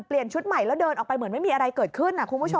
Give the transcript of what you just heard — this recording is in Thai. เปลี่ยนชุดใหม่แล้วเดินออกไปเหมือนไม่มีอะไรเกิดขึ้น